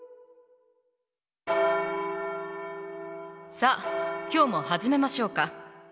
さあ今日も始めましょうか。